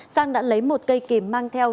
sang đã lấy một cây kìm mang theo